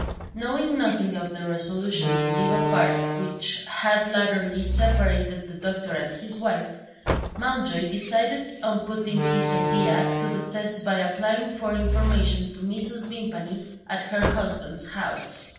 Knowing nothing of the resolution to live apart which had latterly separated the doctor and his wife, Mountjoy decided on putting his idea to the test by applying for information to Mrs. Vimpany at her husband's house.